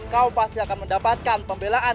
kau pasti akan mendapatkan pembelaan